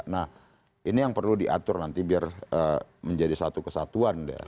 nah ini yang perlu diatur nanti biar menjadi satu kesatuan ya